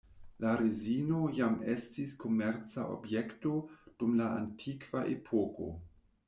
La rezino jam estis komerca objekto dum la Antikva epoko.